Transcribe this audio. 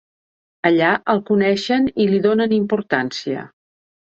Allà el coneixen i li donen importància.